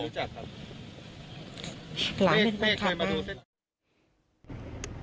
เมฆเมฆเคยมาดูเสร็จ